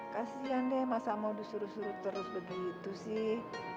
kasian deh masa mau disuruh suruh terus begitu sih